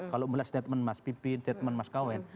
kalau mulai statement mas pipi statement mas kawen